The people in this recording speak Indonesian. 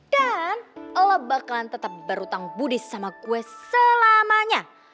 dan lo bakalan tetap berutang budi sama gue selamanya